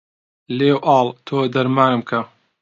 لێو ئاڵ تۆ دەرمانم کە